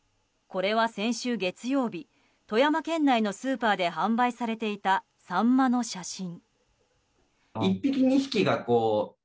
これは先週月曜日富山県内のスーパーで販売されていたサンマの写真。